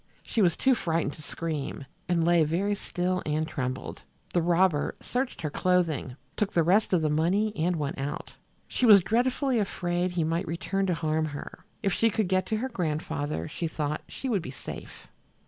She was too frightened to scream, and lay very still and trembled. The robber searched her clothing, took the rest of the money and went out. She was dreadfully afraid he might return to harm her. If she could get to her grandfather, she thought, she would be safe.